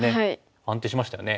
安定しましたよね。